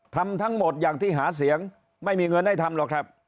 ทำทั้งหมดอย่างที่หาเสียงไม่มีเงินให้ทำหรอกครับ